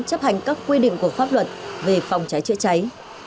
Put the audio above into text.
chấp hành các quy định của pháp luật về phòng cháy chữa cháy